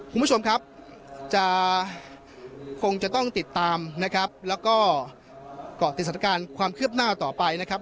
คุณผู้ชมครับจะคงจะต้องติดตามนะครับแล้วก็เกาะติดสถานการณ์ความคืบหน้าต่อไปนะครับ